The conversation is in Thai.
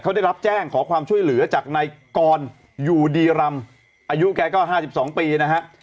เขาได้รับแจ้งขอความช่วยเหลือจากนายกรอยู่ดีรำอายุแกก็๕๒ปีนะฮะ